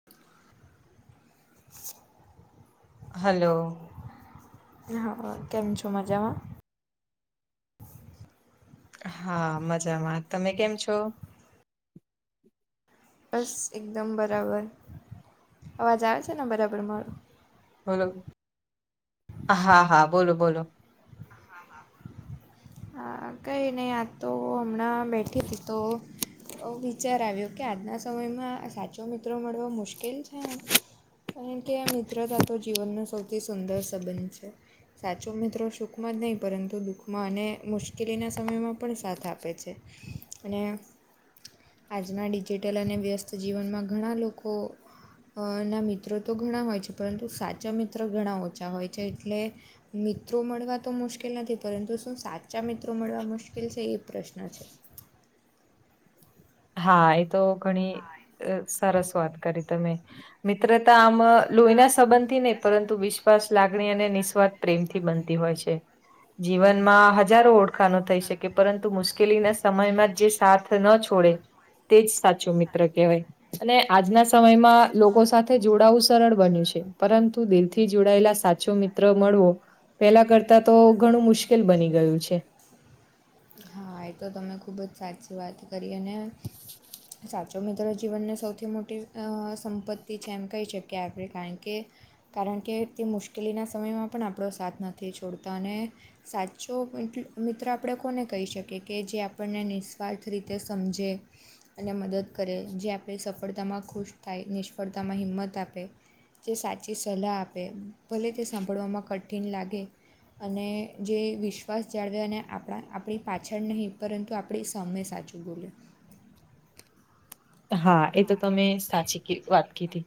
[inaudible] Hello હ કેમ છો? મજામાં હા મજામાં તમે કેમ છો? બસ એકદમ બરાબર અવાજ આવે છે ને બરાબર મારું બોલો હા હા બોલો બોલો હા કઈ નઈ આ તો હમણાં બેઠી હતી તો અ વિચાર આવ્યો કે આજના સમયમાં સાચો મિત્રો મળવો મુશ્કેલ કેલ છે કારણ કે મિત્રતા તો જીવનનો સૌ થી સુંદર સંબંધ છે. સાચો મિત્રો શો માં જ નહીં પરંતુ દુઃખમાં અને મુશ્કેલીના સમયમાં પણ સાથ આપે છે. અને આજના ડિજિટલ અને વ્યસ્ત જીવનમાં ઘણા લોકો ના મિત્રો તો ઘણા હોય છે પરંતુ સાચા મિત્ર ઘણા ઓછા હોય છે એટલે મિત્રો મળવા તો મુશ્કેલ નથી પરંતુ શું સાચા મિત્રો મળવા મુશ્કેલ છે એ પ્રશ્ન છે. હા એ તો ઘણી સરસ વાત કરી તમે. મિત્રતા આમ લોહીના સબંધથી નહી પરંતુ વિશ્વ શ્વાસ લાગણી અને નિસ્વાર્થ પ્રેમથી બનતી હોય છે. જીવનમાં હજારો ઓળખાણો થઈ શકે પરંતુ મુશ્કેલીના સમયમાં જે સાથ ન છોડે તે જ સાચો મિત્ર કહેવાય. અને આજના સમયમાં લોકો સાથે જોડાવું સરળ બન્યું છે પરંતુ દિલ થી જોડાયેલા સાચ ચો મિત્ર મળવો પેલા કરતા તો ઘણું મુશ્કેલ બની ગયું છે. હા એ તો તમે ખૂબ જ સાચી વાત કરી અને સાચો મિત્ર જીવનની સૌથી મોટી સંપત્તિ છે એમ કહી શકીએ આપણે કારણ કે કારણ કે તે મુશ્કેલીના સમયમાં પણ આપણો સાથ નથી છોડતા અને સાચો [unintelligible] મિત્ર આપ આપણે કોને કહી શકીએ કે જે આપણને નિસ્વાર્થ રીતે સમજે. અને મદદ કરે જે આપણે સફળતામાં ખુશ થાય નિષ્ફળતામાં હિંમત આપે. જે સાચી સલાહ આપે એમ. ભલે તે સાંભળવામાં કઠિન લાગે અને જે વિશ્વાસ જાળવે અને આપ આપણા આપણી પાછળ નહીં પરંતુ આપણે સામે સાચું બોલે. હા એ તો તમે સાચી વાત કીધી.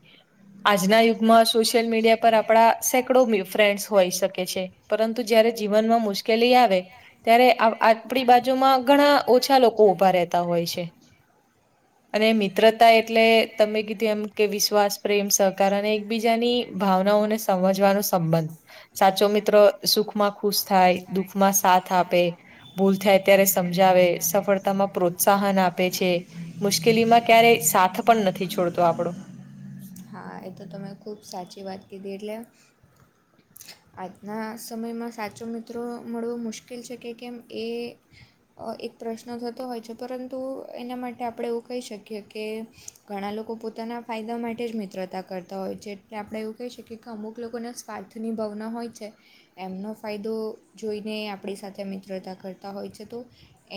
આજના યુગમાં સોશિયલ મીડિયા પર આપણા સેકડો ફ્રેન્ડ્સ હોય શકે છે પરંતુ જયારે જીવનમાં મુશ્કે મુશ્કેલી આવે ત્યારે આપણી બાજુમાં ઘણા ઓછા લોકો ઉભા રહેતા હોય છે. અને મિત્રતા એટલે તમે કીધું એમ કે વિશ્વાસ પ્રેમ સહકાર અને એકબીજાની ભાવનાઓને સમજવાનો સંબંધ સાચો મિત્રો સુખમાં ખુશ થાય દુઃખમાં સાથ આપે ભૂલ થાય ત્યારે સમજાવે, સફળતામાં પ્રોત્સાહન આપે છે. મુશ્કેલીમાં ક્યારેય સાથ પણ નથી છોડતો આપણો. હા એ તો તમે ખુબ સાચી વાત કીધી એટલે આજના સમયમાં સાચો મિત્રો મળવો મુશ્કેલ છે કે કેમ એ એક પ્રશ્ન થતો હોય છે પરંતુ એના માટે આપણે એવું કહી શકીએ કે ઘણા લોકો પોતાના ફાયદા માટે જ મિત્રતા કરતા હોય છે એટલે આપણે એવું કહી શકીએ કે અમુક લોકોના સ્વાર્થની ભવ ના હોય છે એમનો ફાયદો જોઈને આપણી સાથે મિત્રતા કરતા હોય છે તો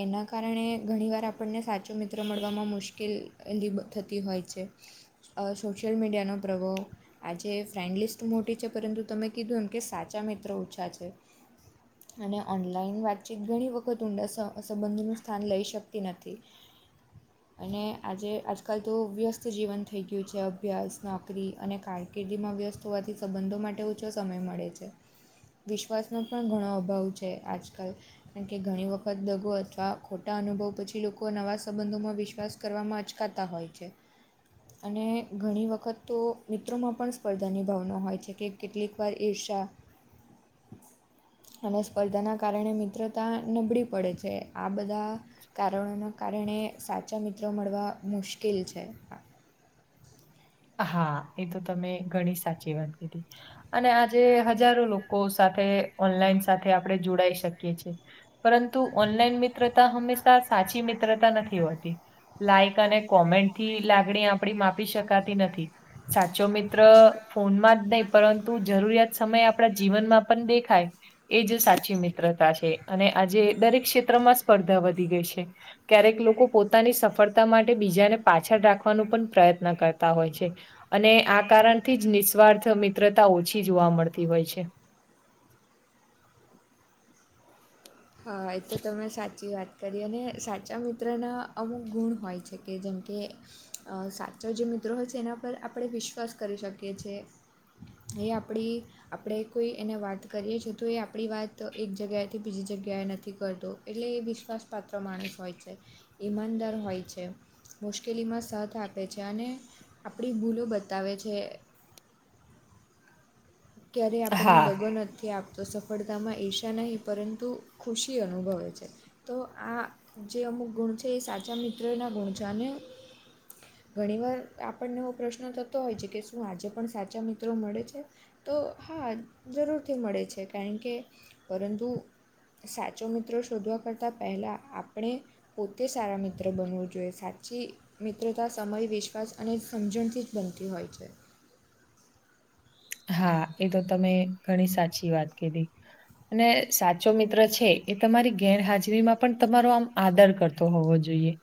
એના કારણે ઘણીવાર આપણને સાચો મિત્ર મળવામાં મુશ્કેલી થતી હોય છે. અ સોશિયલ મીડિયાનો પ્રભાવ આ જે ફ્રેન્ડલિસ્ટ તો મોટી છે પરંતુ તમે કીધું એમ કે સાચા મિત્રો ઓછા છે. અને ઓનલાઈન વાતચીત ઘણી વખત ઊંડા સ સંબંધનું સ્થાન લઈ શકતી નથી. અને આજે આજકાલ તો વ્યસ્ત જીવન થઈ ગયું છે અભ્યાસ, નોકરી અને કારકિર્દીમાં વ્યસ્ત હોવાથી સંબંધો માટે ઓછો સમય મળે. વિશ્વાસનો પણ ઘણો અભાવ છે આજકાલ. કારણ કે ઘણી વખત દગો અથવા ખોટા અનુભવો પછી લોકો નવા સંબંધોમાં વિશ્વાસ કરવામાં અચકાતા હોય છે. અને ઘણી વખત તો મિત્રોમાં પણ સ્પર્ધાની ભાવના હોય છે કે કેટલીક વાર એ [unintelligible] અને સ્પર્ધાના કારણે મિત્રતા નબળી પડે છે. આ બધા કારણોના કારણે સાચા મિત્રો મળવા મુશ્કેલ છે. હા એ તો તમે ઘણી સાચી વાત કીધી અને આજે હજારો લોકો કો સાથે ઓનલાઈન સાથે આપણે જોડાઈ શકીએ છીએ. પરંતુ ઓનલાઈન મિત્રતા હંમેશા સાચી મિત્રતા નથી હોતી. લાઈક અને કોમેન્ટ થી લાગણી આપડી માપી શકાતી નથી. સાચો મિત્ર ફોનમાં જ નહીં પરંતુ જરૂરિયાત સમય આપણા જીવનમાં પણ દેખાય. એ જ સાચી મિત્રતા છે અને આજે દરેક ક્ષેત્રમાં સ્પર્ધા વધી ગઈ છે. ક્યારેક લોકો પોતાની સફળતા માટે બીજાને પાછળ રાખવાનો પણ પ્રયત્ન કર તા હોય છે. અને આ કારણથી જ નિસ્વાર્થ મિત્રતા ઓછી જોવા મળતી હોય છે. હ એ તો તમે સાચી વાત કરી અને સાચા મિત્રના અમુક ગુણ હોય છે કે જેમ કે અ સાચો જે મિત્રો હોય છે, એના પર આપણે વિશ્વાસ કરી શકીએ છે. એ આપણી આપણે કોઈ એને વાત કરીએ છે તો એ આપણી વાત એક જગ્યાએથી બીજી જગ ગ્યાએ નથી કરતો એટલે એ વિશ્વાસ પાત્ર માણસ હોય છે ઈમાનદાર હોય છે. મુશ્કેલીમાં સાથ આપે છે અને આપણી ભૂલો બતાવે છે. ક્યારેય આપણને હા દગો નથી આપ તો સફળતામાં ઈર્ષા નહીં પરંતુ ખુશી અનુભવે છે. તો આ જે અમુક ગુણ છે એ સાચા મિત્રના ગુણ છે અને ઘણી વાર આપણને એવો પ્રશ્ન થતો હોય છે કે શું આજે પણ સાચા મિત્રો મળે છે? તો હા જરૂરથી મળે છે કારણ કે પરંતુ સાચો મિત્રો શોધવા કરતાં પહેલાં આપણે પોતે સારા મિત્ર બનવું જોઈએ સાચી મિત્રતા સમય વિશ્વાસ અને સમજણથી જ બનતી હોય છે. હા એ તો તમે ઘણી સાચી વાત કીધી. અને સાચો મિત્ર છે એ તમારી ગેરહાજરી માં પણ તમારો આમ આદર કર તો હોવો જોઈએ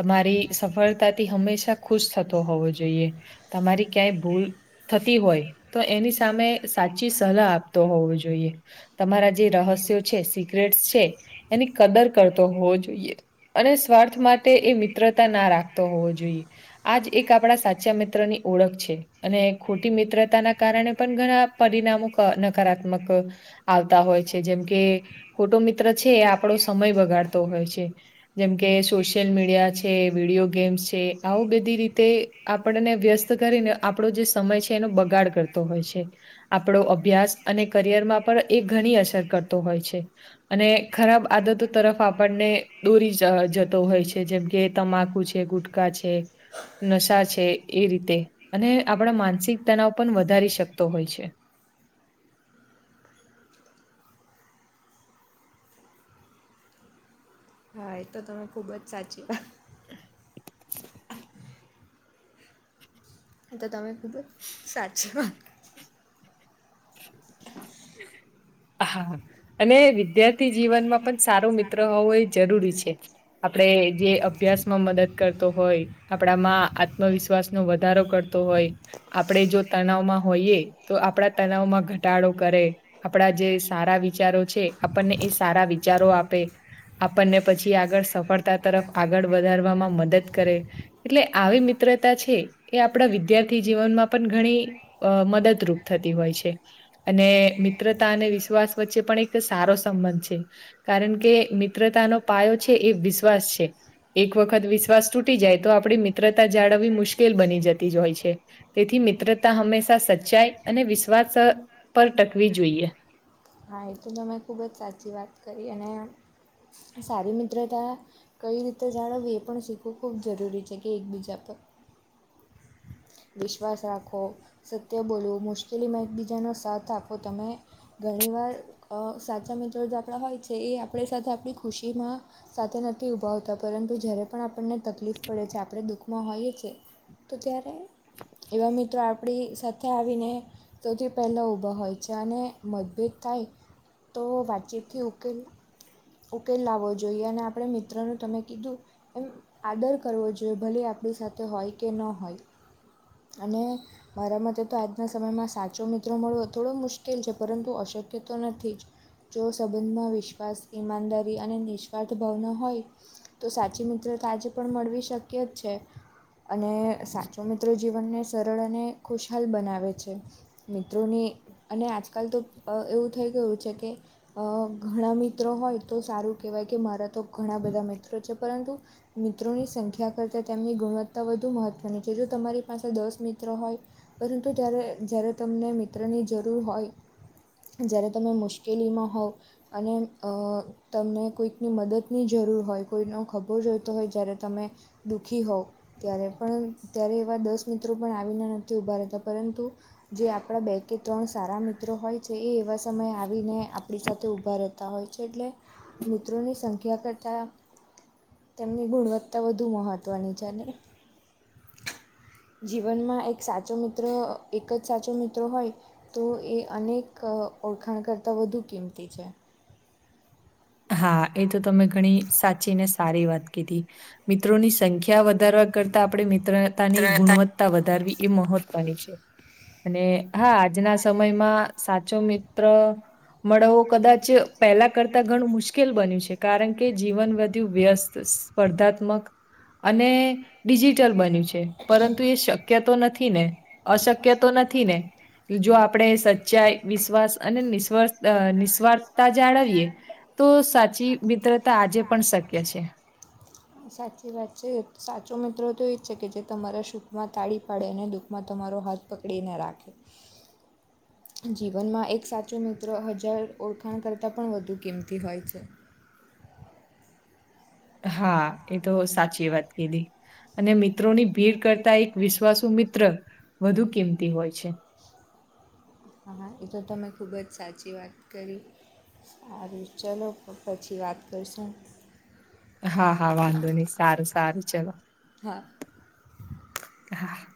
તમારી સફળતાથી હંમેશા ખુશ થતો હોવો જોઈએ તમારી ક્યાંય ભૂલ થતી હો તો એની સામે સાચી સલાહ આપતો હોવો જોઈએ. તમારા જે રહસ્યો છે સિક્રેટસ છે એની કદર કરતો હોવો જોઈએ. અને સ્વાર્થ માંટે એ મિત્રતા ના રાખતો હોવો જોઈએ. આજ એક આપણા સાચા મિત્ર ની ઓળખ છે અને ખોટી મિત્રતાના કારણે પણ ઘણા પરિણામો ક નકારાત્મક આવતા હોય છે જેમકે ખોટો મિત્ર છે એ આપણો સમય બગાડતો હોય છે. જેમકે સોશિયલ મીડિયા છે વિડીયો ગેમ્સ છે આવું બધી રીતે આપણને વ્યસ્ત કરીને આપણો જે સમય છે એનો બગાડ કર તો હોય છે આપણો અભ્યાસ અને કરિયરમાં પણ એ ઘણી અસર કરતો હોય છે. અને ખરાબ આદતો તરફ આપણને દોરી જ જતો હોય છે જેમકે તમાકુ છે ગુટ કા છે નશા છે એ રીતે અને આપણા માનસિક તનાવ પણ વધ ધારી શકતો હોય છે. હા એ તો તમે ખુબ જ સાચી વા [inaudible] તો તમે ખૂબ જ સાચી વાત હા અને વિદ્યાર્થી જીવનમાં પણ સારો મિત્ર હોવો એ જરૂરી છે. આપડે જે અભ્યાસ માં મદદ કરતો હોય. આપણા માં આત્મવિશ્વાસનો વધારો કરતો હોય. આપણે જો તનાવમાં હોઈએ તો આપણા તનાાવમાં ઘટાડો કરે. આપણા જે સારા વિચારો છે આપણને એ સારા વિચારો આપે. આપણને પછી આગળ સફળતા તરફ આગળ વધારવામાં મદદ કરે. એટલે આવી મિત્રતા છે એ આપણા વિદ્યાર્થી જીવનમાં પણ ઘણી અ મદદરૂપ થતી હોય છે અને, મિત્રતા અને વિશ્વાસ વચ્ચે પણ એક સારો સંબંધ છે. કારણ કે મિત્રતાનો પાયો છે એ વિશ્વાસ છે. એક વખત વિશ્વાસ તૂટી જાય તો આપણી મિત્રતા જાળવવી મુશ્કેલ બની જતી જ હોય છે. તેથી મિત્રતા હંમેશા સચ્ચાઈ અને વિશ્વાસ પર ટકવી જોઈએ હા એ તો તમે ખૂબ જ સાચી વાત કરી અને સારી મિત્રતા કઈ રીતે જાણવવી એ પણ શીખવું ખૂબ જરૂરી છે કે એક બીજા પર વિશ્વાસ રાખો સત્ય બોલવું મુશ્કેલીમાં એકબીજાનો સાથ આપો તમે ઘણી વાર અ સાચા મિત્રો જે આપણા હોય છે એ આપણી સાથે આપણી ખુશી માં સાથે નથી ઊભા હોતા પરંતુ જ્યારે પણ આપણને તકલીફ પડે છે આપણે દુઃખમાં હોઈએ છે. તો ત્યારે એવા મિત્રો આપણી સાથે આવીને તેથી પહેલા ઊભા હોય છે અને મતભેદ થાય તો વાતચીતથી ઉકેલ ઉકેલ લાવવો જોઈએ અને આપણે મિત્રનું તમે કીધું એમ આદર કરવો જોઈએ ભલે આપણી સાથે હોય કે ન હોય. અને, મારા મતે તો આજના સમયમાં સાચો મિત્રો મળવો થોડો મુશ્કેલ છે પરંતુ અશક્ય તો નથી જ, જો સંબંધમાં વિશ્વાસ, ઈમાનદારી અને નિઃસ્વાર્થ ભાવના હોય, તો સાચી મિત્રતા આજે પણ મળવી શક્ય જ છે. અને સાચો મિત્રો જીવનને સરળ અને ખુશહાલ બનાવે છે મિત્રોની અને આજકાલ તો એવું થઈ ગયું છે કે ઘણા મિ મિત્રો હોય તો સારું કહેવાય કે મારા તો ઘણા બધા મિત્રો છે પરંતુ મિત્રોની સંખ્યા કરતા તેમની ગુણવત્તા વધુ મહત્વની છે જો તમારી પાસે દસ મિત્રો હોય પરંતુ ત્યારે જ્યારે તમને મિત્રની જરૂર હોય જ્યારે તમે મુશ્કેલીમાં હોવ અને તમને મદદની જરૂર હોય કોઈનો ખભો જોઈતો જ્યારે તમે દુઃખી હોઉવ ત્યારે પણ ત્યારે એવા દસ મિત્રો પણ આવીને ઉભારેતા પરંતુ જે આપણા બે કે ત્રણ સારા મિત્રો હોય છે એ એવા સમયે આવીને આપણી સાથે ઊભા તા હોય છે એટલે મિત્રોની સંખ્યા કરતાં તેમની ગુણવત્તા વધુ મહત્ત્વની છે જીવનમાં એક સાચો મિત્ર એક જ સાચો મિત્ર હોય તો એ અનેક ઓળખાણ કરતાં વધુ કિંમતી છે હા એ તો તમે ઘણી સાચી ને સારી વાત કીધી મિત્રોની સંખ્યા વધારવા કરતા આપણે મિત્રતાની મિત્રતા ગુણવત્તા વધારવી એ મહત્વની છે અને હા આજના સમયમાં સાચો મિત્ર મળો કદાચ પેલા કરતા ઘણું મુશ્કેલ બન્યું છે કારણ કે જીવન વધુ વ્યસ્ત સ્પર્ધાત્મક અને ડિજિટલ બન્યું છે છે પરંતુ એ શક્ય તો નથી ને અશક્ય તો નથી ને જો આપણે ચાઈ વિશ્વાસ અને નિ નિસ્વાર્થતા અ જાળવી એ તો સાચી મિત્રતા આજે પણ શક્ય છે [inaudible] સાચી વાત છે સાચો મિત્રો તો એ જ છે કે જે તમારા સુખમાં તાળી પાડે અને દુઃખમાં તમારો હાથ પકડીને રાખે જીવનમાં એક સાચો મિત્ર હજાર ઓળખાણ કરતાં પણ વધુ કિંમતી હોય છે હા એ તો સાચી વાત કીધી અને મિત્રોની ભીડ કરતા એક વિશ્વાસુ મિત્ર વધુ કિંમતી હોય છે હા એ તો તમે ખુબ જ સાચી વાત કરી અ ચલો પછી વાત કરશું હા હા વાંધો નહી સારું સારું ચલો હા હા